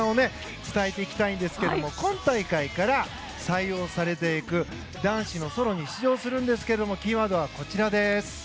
お伝えしたいんですが今大会から採用されている男子のソロに出場するんですがキーワードはこちらです。